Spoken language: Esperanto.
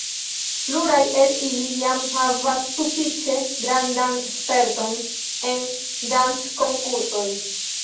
Pluraj el ili jam havas sufiĉe grandan sperton en danckonkursoj.